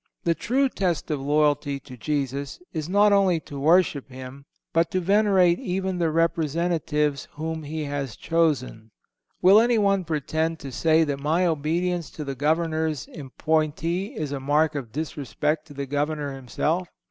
The true test of loyalty to Jesus is not only to worship Him, but to venerate even the representatives whom He has chosen. Will anyone pretend to say that my obedience to the Governor's appointee is a mark of disrespect to the Governor himself?